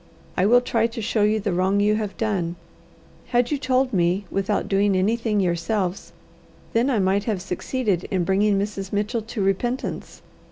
I will try to show you the wrong you have done. Had you told me without doing anything yourselves, then I might have succeeded in bringing Mrs. Mitchell to repentance.